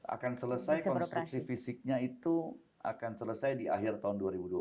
akan selesai konstruksi fisiknya itu akan selesai di akhir tahun dua ribu dua puluh